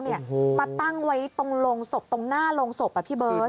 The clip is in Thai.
มาตั้งไว้ตรงโรงศพตรงหน้าโรงศพพี่เบิร์ต